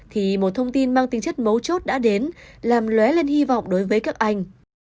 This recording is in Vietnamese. thì một thông tin mang tính chất mấu chốt đã đến làm lé lên hy vọng đối với các anh